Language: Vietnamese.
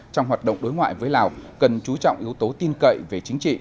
trong hoạt động đối ngoại với lào cần chú trọng yếu tố tin cậy về chính trị